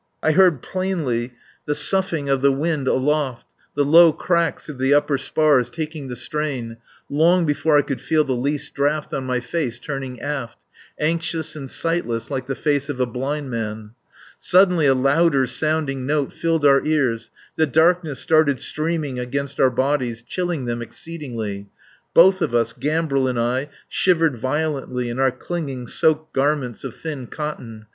I heard plainly the soughing of the wind aloft, the low cracks of the upper spars taking the strain, long before I could feel the least draught on my face turned aft, anxious and sightless like the face of a blind man. Suddenly a louder sounding note filled our ears, the darkness started streaming against our bodies, chilling them exceedingly. Both of us, Gambril and I, shivered violently in our clinging, soaked garments of thin cotton.